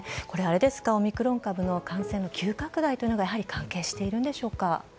これ、あれですか、オミクロン株の感染の急拡大というのがやはり関係しているんでしょうか。